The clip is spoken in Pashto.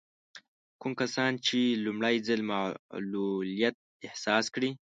کوم کسان چې لومړی ځل معلوليت احساس کړي.